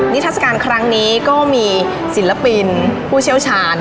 ทัศกาลครั้งนี้ก็มีศิลปินผู้เชี่ยวชาญ